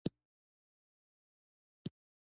وټس اېپ نن سبا تر ټولو زيات کارېدونکی کاريال دی